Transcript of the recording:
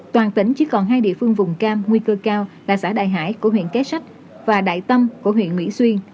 toàn tỉnh chỉ còn hai địa phương vùng cam nguy cơ cao là xã đại hải của huyện kế sách và đại tâm của huyện mỹ xuyên